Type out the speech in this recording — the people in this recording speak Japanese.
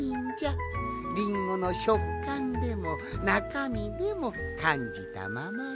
リンゴのしょっかんでもなかみでもかんじたままに。